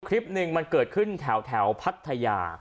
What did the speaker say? คลิปหนึ่งมันเกิดขึ้นแถวพัทยา